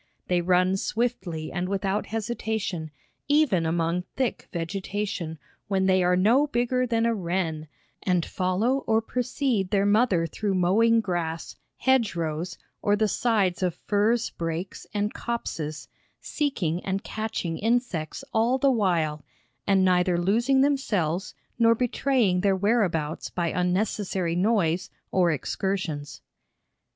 They run swiftly and without hesitation, even among thick vegetation, when they are no bigger than a wren, and follow or precede their mother through mowing grass, hedgerows, or the sides of furze breaks and copses, seeking and catching insects all the while, and neither losing themselves nor betraying their whereabouts by unnecessary noise or excursions.